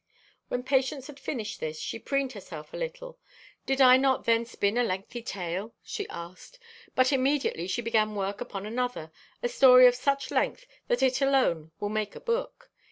When Patience had finished this she preened herself a little. "Did I not then spin a lengthy tale?" she asked. But immediately she began work upon another, a story of such length that it alone will make a book.